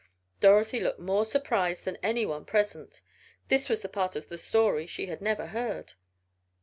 (Dorothy looked more surprised than any one present; this was the part of the story she had never heard).